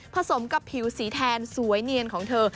สมกับผิวสีแทนสวยเนียนของเธอ